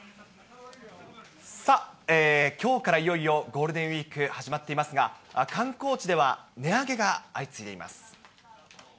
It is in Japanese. さあ、きょうからいよいよゴールデンウィーク始まっていますが、観光地では値上げが相次いでいます。